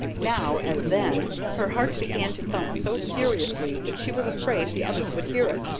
Now, as then, her heart began to thump so furiously that she was afraid the others would hear it.